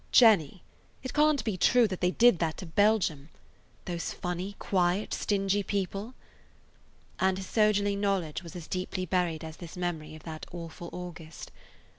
"Jenny, it can't be true that they did that to Belgium? Those funny, quiet, stingy people!" And his soldierly knowledge was as deeply buried as this memory of that awful August.